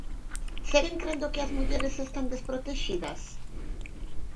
Seguen crendo que as mulleres están desprotexidas?